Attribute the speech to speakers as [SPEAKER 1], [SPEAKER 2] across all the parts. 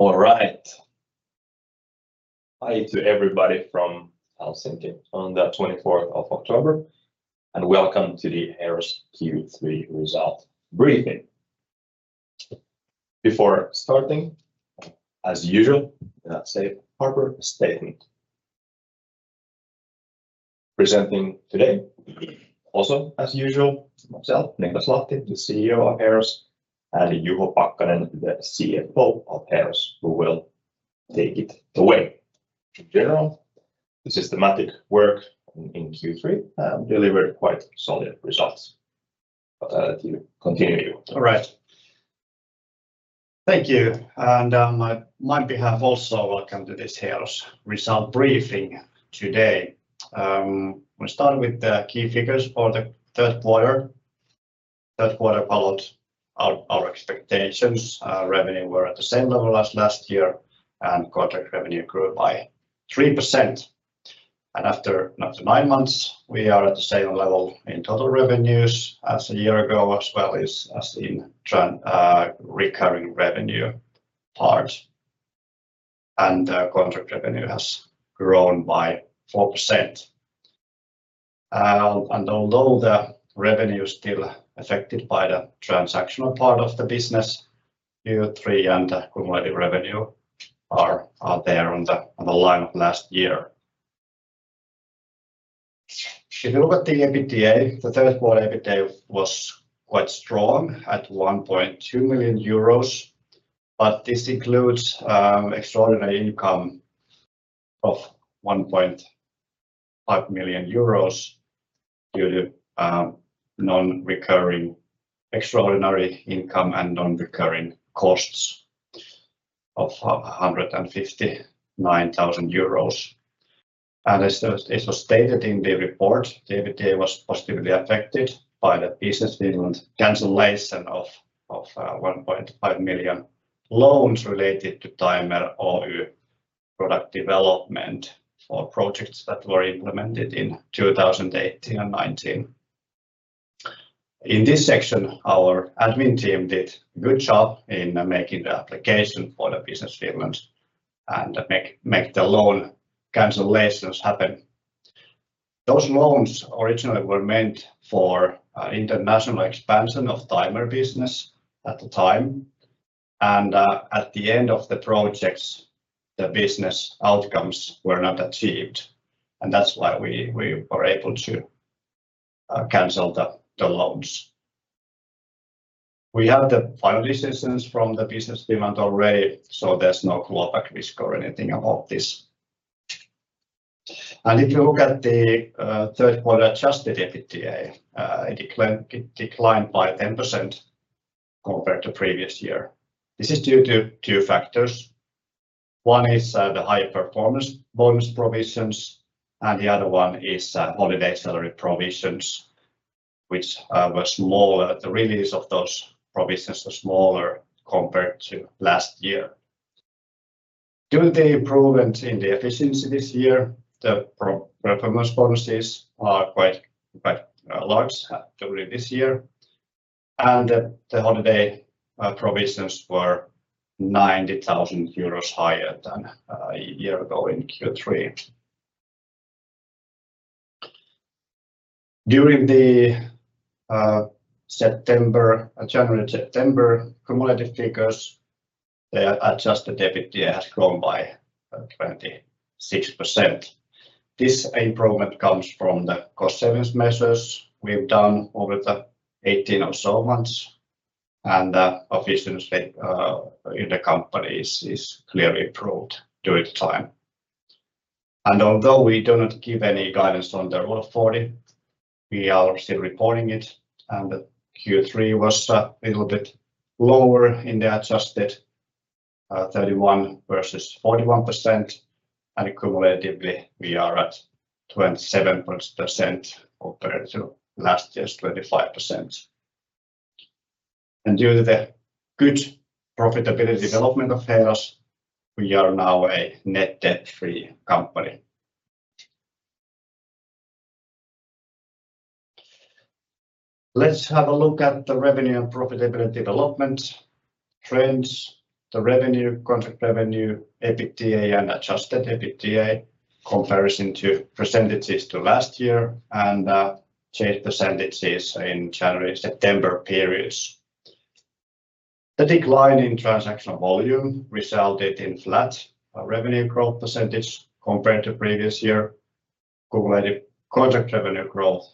[SPEAKER 1] All right. Hi to everybody from Helsinki on the twenty-fourth of October, and welcome to the Heeros Q3 results briefing. Before starting, as usual, let's say safe harbor statement. Presenting today, also as usual, myself, Niklas Lahti, the CEO of Heeros, and Juho Pakkanen, the CFO of Heeros, who will take it away. In general, the systematic work in Q3 delivered quite solid results. But, you continue, Juho.
[SPEAKER 2] All right. Thank you, and on my behalf, also welcome to this Heeros result briefing today. We'll start with the key figures for the third quarter. Third quarter followed our expectations. Revenue were at the same level as last year, and contract revenue grew by 3%. After nine months, we are at the same level in total revenues as a year ago, as well as in recurring revenue part, and contract revenue has grown by 4%. And although the revenue is still affected by the transactional part of the business, Q3 and the cumulative revenue are there on the line of last year. If you look at the EBITDA, the third quarter EBITDA was quite strong at 1.2 million euros, but this includes extraordinary income of 1.5 million euros due to non-recurring extraordinary income and non-recurring costs of 159,000 euros. And as was stated in the report, the EBITDA was positively affected by the Business Finland cancellation of 1.5 million loans related to Taimer Oy product development for projects that were implemented in 2018 and 2019. In this section, our admin team did a good job in making the application for the Business Finland and make the loan cancellations happen. Those loans originally were meant for international expansion of Taimer business at the time, and at the end of the projects, the business outcomes were not achieved, and that's why we were able to cancel the loans. We have the final decisions from the Business Finland already, so there's no clawback risk or anything about this. If you look at the third quarter Adjusted EBITDA, it declined by 10% compared to previous year. This is due to two factors. One is the high performance bonus provisions, and the other one is holiday salary provisions, which were smaller. The release of those provisions were smaller compared to last year. Due to the improvement in the efficiency this year, the performance bonuses are quite large during this year, and the holiday provisions were 90,000 euros higher than a year ago in Q3. During the January-September cumulative figures, the adjusted EBITDA has grown by 26%. This improvement comes from the cost savings measures we've done over the 18 or so months, and the efficiency in the company is clearly improved during the time. Although we do not give any guidance on the Rule of 40, we are still reporting it, and the Q3 was a little bit lower in the adjusted 31% versus 41%, and cumulatively, we are at 27% compared to last year's 25%. Due to the good profitability development of Heeros, we are now a net debt-free company. Let's have a look at the revenue and profitability development trends, the revenue, contract revenue, EBITDA, and adjusted EBITDA, comparison to percentages to last year and change percentages in January-September periods. The decline in transactional volume resulted in flat revenue growth percentage compared to previous year. Cumulated contract revenue growth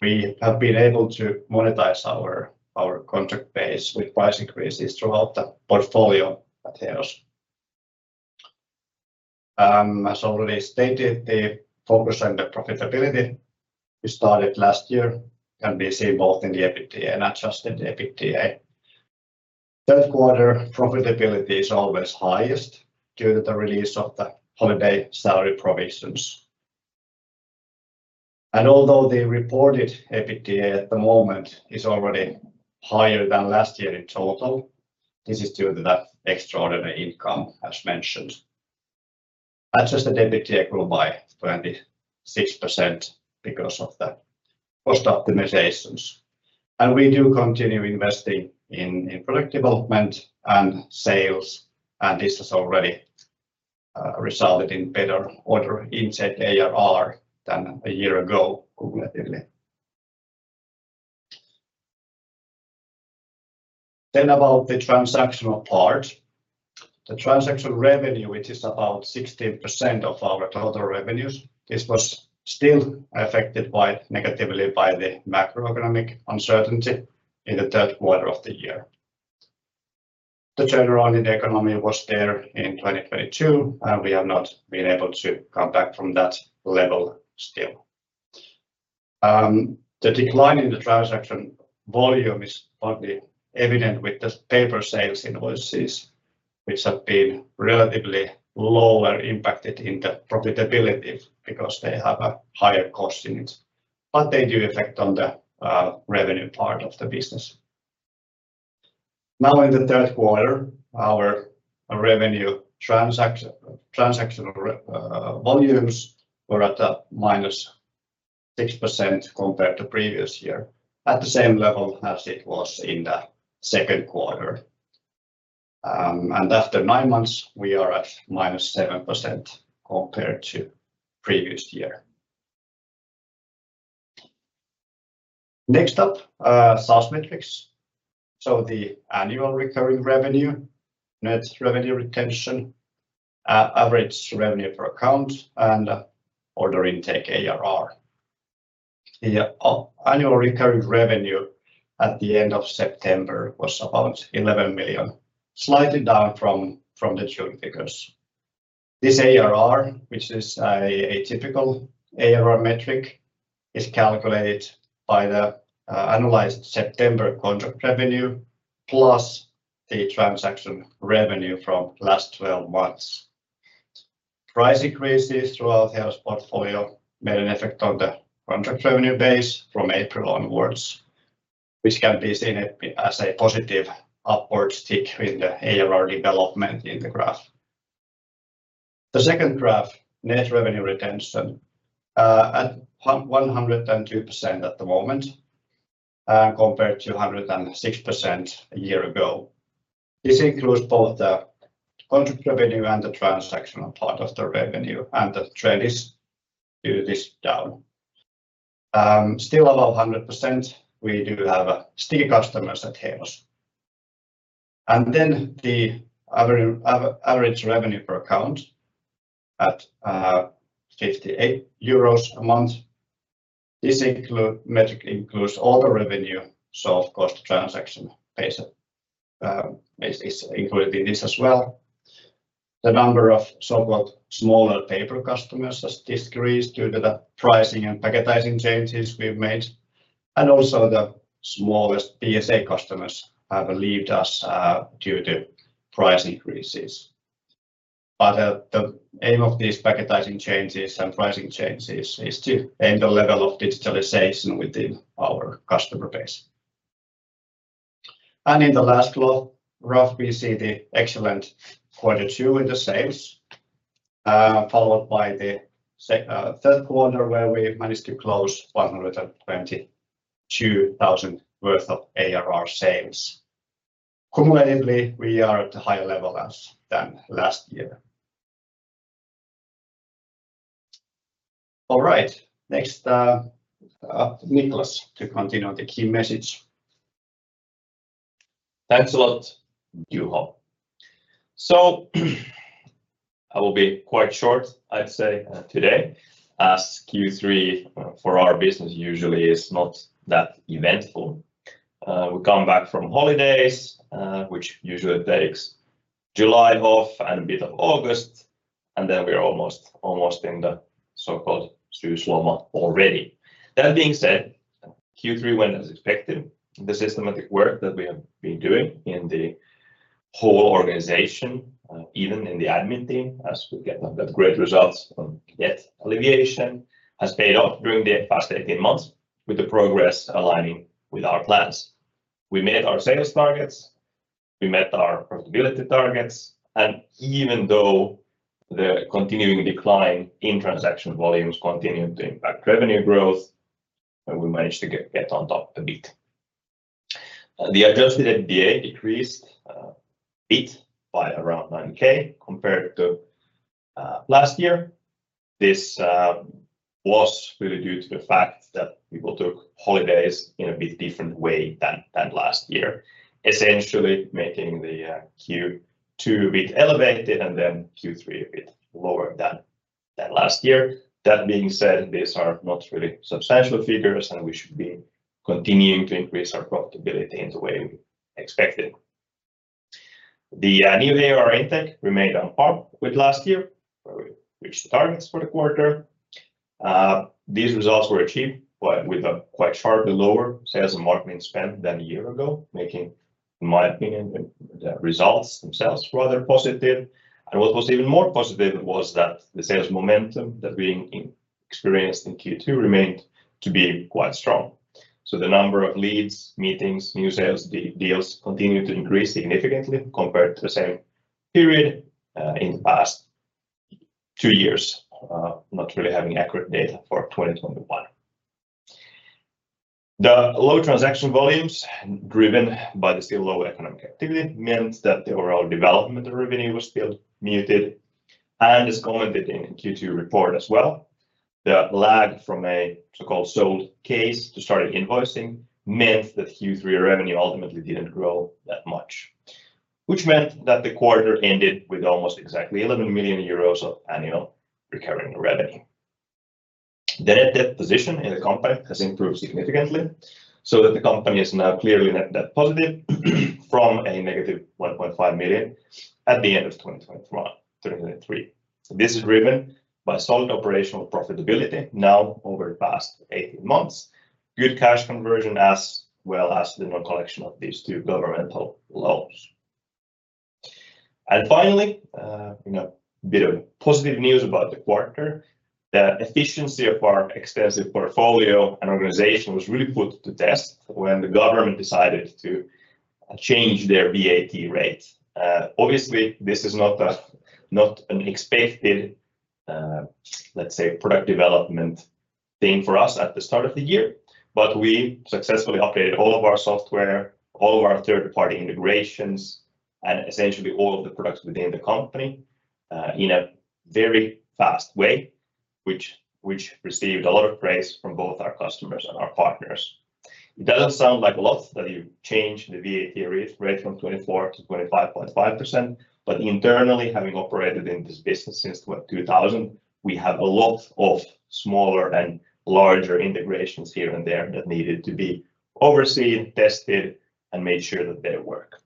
[SPEAKER 2] was 4%. We have been able to monetize our contract base with price increases throughout the portfolio at Heeros. As already stated, the focus on the profitability, we started last year, and we see both in the EBITDA and adjusted EBITDA. Third quarter profitability is always highest due to the release of the holiday salary provisions. Although the reported EBITDA at the moment is already higher than last year in total, this is due to that extraordinary income, as mentioned. Adjusted EBITDA grew by 26% because of the cost optimizations. We do continue investing in product development and sales, and this has already resulted in better order intake ARR than a year ago cumulatively. About the transactional part. The transaction revenue, which is about 16% of our total revenues, this was still affected negatively by the macroeconomic uncertainty in the third quarter of the year. The turnaround in the economy was there in 2022, and we have not been able to come back from that level still. The decline in the transaction volume is partly evident with the paper sales invoices, which have been relatively lower impacted in the profitability because they have a higher cost in it, but they do affect on the revenue part of the business. Now, in the third quarter, our revenue transactional volumes were at a minus 6% compared to previous year, at the same level as it was in the second quarter. And after nine months, we are at minus 7% compared to previous year. Next up, SaaS metrics. So the annual recurring revenue, net revenue retention, average revenue per account, and order intake ARR. The annual recurring revenue at the end of September was about 11 million, slightly down from the June figures. This ARR, which is a typical ARR metric, is calculated by the annualized September contract revenue, plus the transaction revenue from last 12 months. Price increases throughout the Heeros portfolio made an effect on the contract revenue base from April onwards, which can be seen as a positive upward tick in the ARR development in the graph. The second graph, net revenue retention, at 102% at the moment, compared to 106% a year ago. This includes both the contract revenue and the transactional part of the revenue, and the trend is thus down. Still above 100%, we do have sticky customers at Heeros. And then the average revenue per account at 58 euros a month. This metric includes all the revenue, so of course, the transaction base is included in this as well. The number of so-called smaller paper customers has decreased due to the pricing and packaging changes we've made, and also the smallest PSA customers have left us due to price increases. But, the aim of these packaging changes and pricing changes is to aim the level of digitalization within our customer base. In the last graph, we see the excellent quarter two in the sales, followed by the third quarter, where we managed to close 122,000 worth of ARR sales. Cumulatively, we are at a higher level as than last year. All right, next, Niklas, to continue the key message.
[SPEAKER 1] Thanks a lot, Juho. So I will be quite short, I'd say, today, as Q3 for our business usually is not that eventful. We come back from holidays, which usually takes July off and a bit of August, and then we're almost in the so-called Syysloma already. That being said, Q3 went as expected. The systematic work that we have been doing in the whole organization, even in the admin team, as we got great results from debt alleviation, has paid off during the past eighteen months, with the progress aligning with our plans. We met our sales targets, we met our profitability targets, and even though the continuing decline in transaction volumes continued to impact revenue growth, we managed to get on top a bit. The adjusted EBITDA decreased a bit by around nine K compared to last year. This was really due to the fact that people took holidays in a bit different way than last year, essentially making the Q2 a bit elevated and then Q3 a bit lower than last year. That being said, these are not really substantial figures, and we should be continuing to increase our profitability in the way we expected. The new ARR intake remained on par with last year, where we reached the targets for the quarter. These results were achieved with a quite sharply lower sales and marketing spend than a year ago, making, in my opinion, the results themselves rather positive. And what was even more positive was that the sales momentum that we experienced in Q2 remained to be quite strong. So the number of leads, meetings, new sales, deals continued to increase significantly compared to the same period in the past two years, not really having accurate data for 2021. The low transaction volumes, driven by the still low economic activity, means that the overall development of revenue was still muted, and as commented in Q2 report as well, the lag from a so-called sold case to started invoicing meant that Q3 revenue ultimately didn't grow that much. Which meant that the quarter ended with almost exactly 11 million euros of annual recurring revenue. The net debt position in the company has improved significantly, so that the company is now clearly net debt positive from a negative 1.5 million at the end of 2021, 2023. This is driven by solid operational profitability now over the past 18 months, good cash conversion, as well as the non-collection of these two governmental loans. Finally, you know, a bit of positive news about the quarter. The efficiency of our extensive portfolio and organization was really put to test when the government decided to change their VAT rate. Obviously, this is not an expected, let's say, product development thing for us at the start of the year, but we successfully updated all of our software, all of our third-party integrations, and essentially all of the products within the company in a very fast way, which received a lot of praise from both our customers and our partners. It doesn't sound like a lot that you change the VAT rate from 24%-25.5%, but internally, having operated in this business since, what, 2000, we have a lot of smaller and larger integrations here and there that needed to be overseen, tested, and made sure that they work.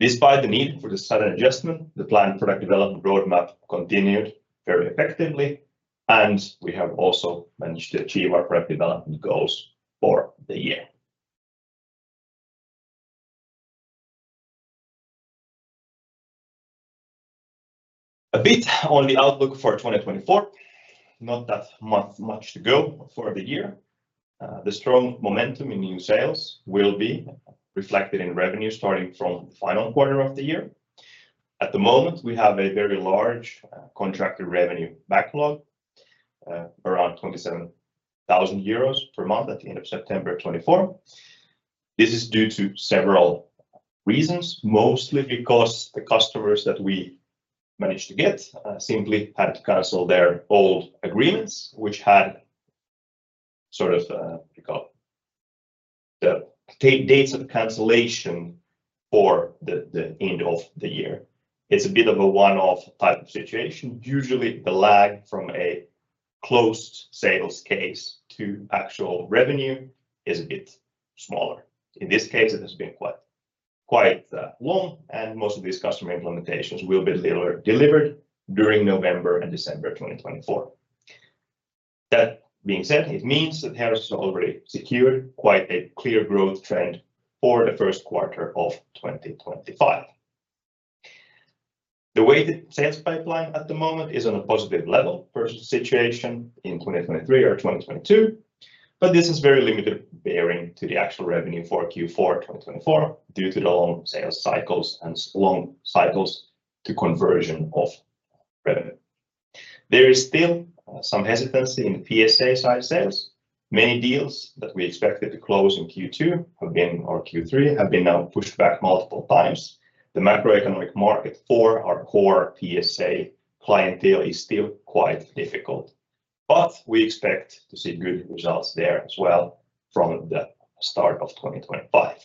[SPEAKER 1] Despite the need for the sudden adjustment, the planned product development roadmap continued very effectively, and we have also managed to achieve our product development goals for the year. A bit on the outlook for 2024. Not that much to go for the year. The strong momentum in new sales will be reflected in revenue starting from the final quarter of the year. At the moment, we have a very large, contracted revenue backlog, around 27,000 euros per month at the end of September 2024. This is due to several reasons, mostly because the customers that we managed to get simply had to cancel their old agreements, which had sort of what you call the dates of cancellation for the end of the year. It's a bit of a one-off type of situation. Usually, the lag from a closed sales case to actual revenue is a bit smaller. In this case, it has been quite long, and most of these customer implementations will be delivered during November and December twenty twenty-four. That being said, it means that Heeros has already secured quite a clear growth trend for the first quarter of twenty twenty-five. The weighted sales pipeline at the moment is on a positive level versus the situation in 2023 or 2022, but this is very limited bearing to the actual revenue for Q4 2024, due to the long sales cycles and long cycles to conversion of revenue. There is still some hesitancy in the PSA side sales. Many deals that we expected to close in Q2 or Q3 have been pushed back multiple times. The macroeconomic market for our core PSA clientele is still quite difficult, but we expect to see good results there as well from the start of 2025.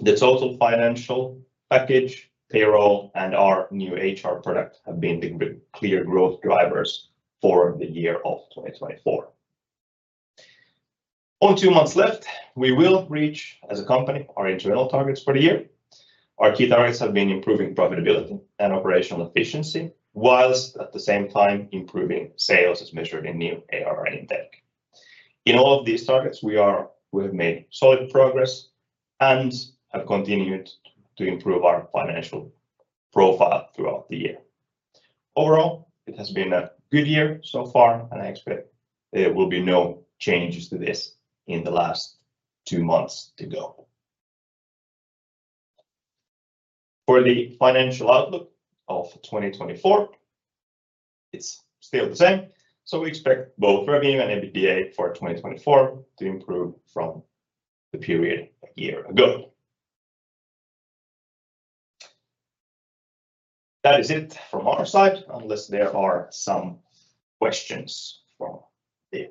[SPEAKER 1] The total financial package, payroll, and our new HR product have been the clear growth drivers for the year of 2024. Only two months left, we will reach, as a company, our internal targets for the year. Our key targets have been improving profitability and operational efficiency, while at the same time improving sales as measured in new ARR intake. In all of these targets, we have made solid progress and have continued to improve our financial profile throughout the year. Overall, it has been a good year so far, and I expect there will be no changes to this in the last two months to go. For the financial outlook of twenty twenty-four, it's still the same, so we expect both revenue and EBITDA for twenty twenty-four to improve from the period a year ago. That is it from our side, unless there are some questions from the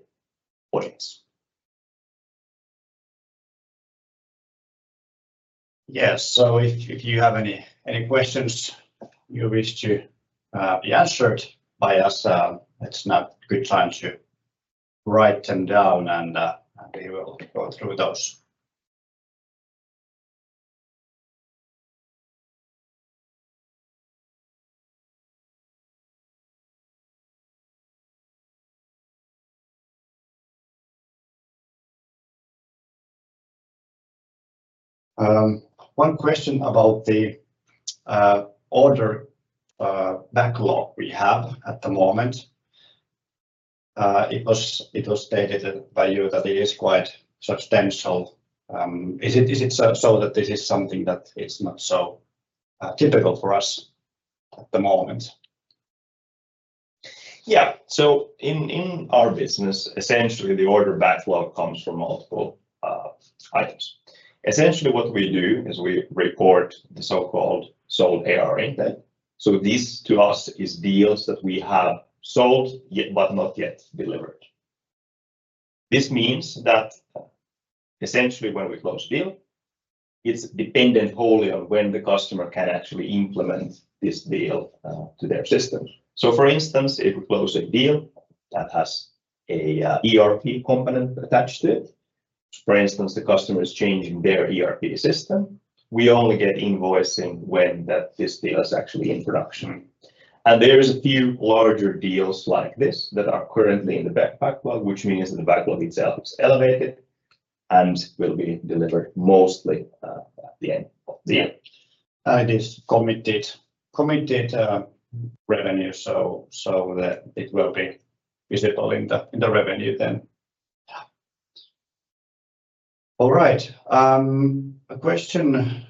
[SPEAKER 1] audience.
[SPEAKER 3] Yes, so if you have any questions you wish to be answered by us, it's now good time to write them down, and we will go through those....
[SPEAKER 2] One question about the order backlog we have at the moment. It was stated by you that it is quite substantial. Is it so that this is something that is not so typical for us at the moment?
[SPEAKER 1] Yeah, so in our business, essentially, the order backlog comes from multiple items. Essentially, what we do is we report the so-called sold ARR intent, so this, to us, is deals that we have sold, yet but not yet delivered. This means that essentially when we close deal, it's dependent wholly on when the customer can actually implement this deal to their systems, so for instance, if we close a deal that has a ERP component attached to it, for instance, the customer is changing their ERP system, we only get invoicing when that deal is actually in production, and there is a few larger deals like this that are currently in the backlog, which means that the backlog itself is elevated and will be delivered mostly at the end of the year.
[SPEAKER 2] It is committed revenue, so that it will be visible in the revenue then?
[SPEAKER 1] Yeah.
[SPEAKER 2] All right. A question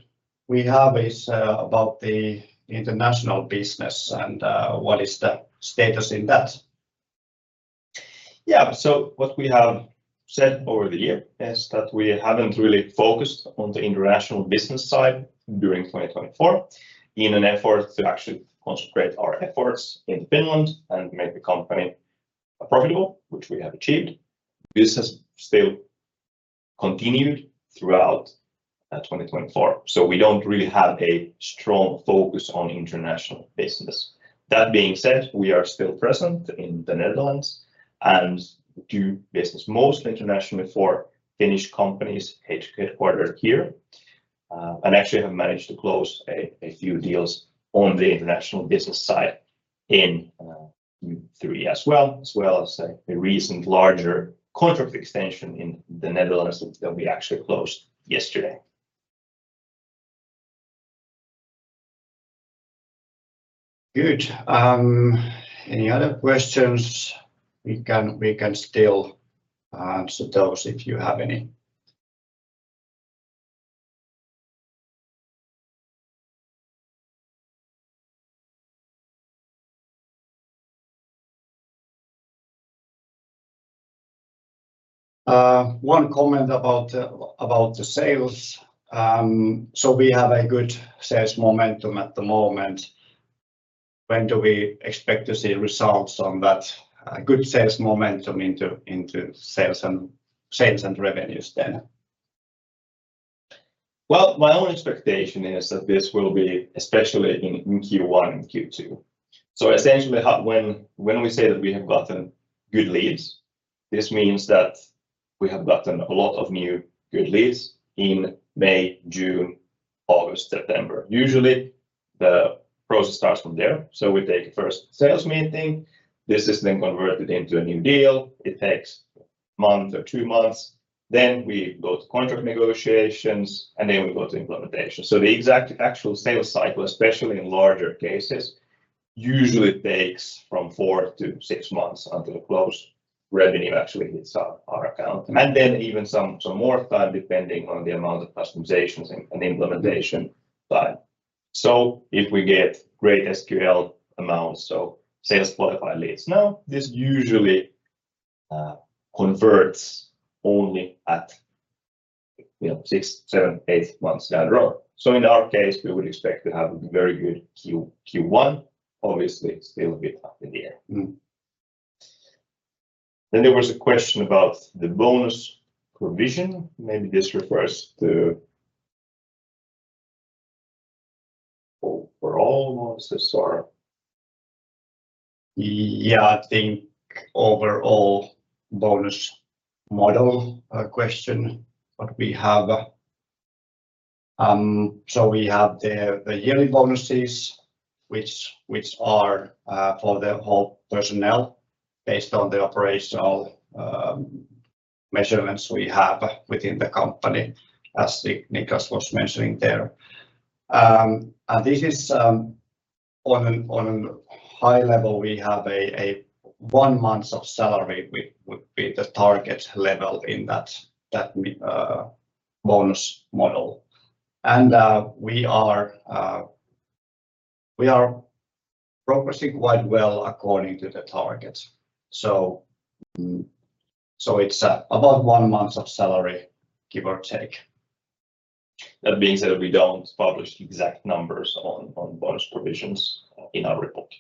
[SPEAKER 2] we have is about the international business and what is the status in that?
[SPEAKER 1] Yeah. So what we have said over the year is that we haven't really focused on the international business side during twenty twenty-four, in an effort to actually concentrate our efforts in Finland and make the company profitable, which we have achieved. Business still continued throughout twenty twenty-four, so we don't really have a strong focus on international business. That being said, we are still present in the Netherlands and do business mostly internationally for Finnish companies headquartered here, and actually have managed to close a few deals on the international business side in Q3 as well as the recent larger contract extension in the Netherlands that we actually closed yesterday.
[SPEAKER 2] Good. Any other questions? We can still answer those if you have any. One comment about the sales. So we have a good sales momentum at the moment. When do we expect to see results on that good sales momentum into sales and revenues then?
[SPEAKER 1] My own expectation is that this will be especially in Q1 and Q2. So essentially, when we say that we have gotten good leads, this means that we have gotten a lot of new good leads in May, June, August, September. Usually, the process starts from there. So we take first sales meeting. This is then converted into a new deal. It takes a month or two months, then we go to contract negotiations, and then we go to implementation. So the exact actual sales cycle, especially in larger cases, usually takes from four to six months until the closed revenue actually hits our account. Then even some more time, depending on the amount of customizations and implementation. If we get great SQL amounts, so sales qualified leads now, this usually converts only at, you know, six, seven, eight months down the road. So in our case, we would expect to have a very good Q1, obviously, still a bit up in the air.
[SPEAKER 2] Mm.
[SPEAKER 1] Then there was a question about the bonus provision. Maybe this refers to... overall bonuses or?
[SPEAKER 2] Yeah, I think overall bonus model question, what we have. So we have the yearly bonuses, which are for the whole personnel based on the operational measurements we have within the company, as Niklas was mentioning there. And this is on a high level, we have a one month of salary would be the target level in that bonus model. We are progressing quite well according to the target. It's about one month of salary, give or take.
[SPEAKER 1] That being said, we don't publish exact numbers on bonus provisions in our report.